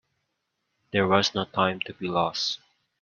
There was no time to be lost.